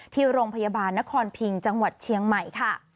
ที่โรงพยาบาลนครพิงจังหวัดเชียงใหม่ค่ะ